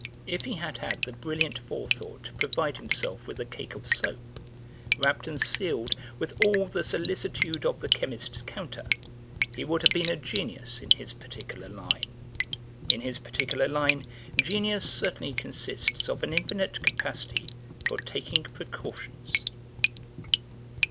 If he had had the brilliant forethought to provide himself with a cake of soap, wrapped and sealed with all the solicitude of the chemist's counter, he would have been a genius in his particular line. In his particular line genius certainly consists of an infinite capacity for taking precautions."